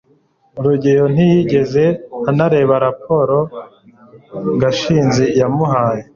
rugeyo ntiyigeze anareba raporo gashinzi yamuhaye